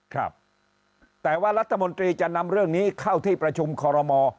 ครับแต่ว่ารัฐมนตรีจะนำเรื่องนี้เข้าที่ประชุมคอรมอ